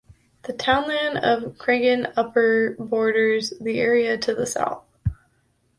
The townland of Creggan Upper borders the area to the south.